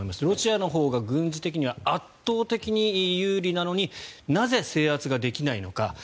ロシアのほうが軍事的には圧倒的に有利なのになぜ、制圧ができないのか。